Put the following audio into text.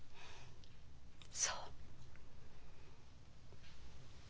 そう。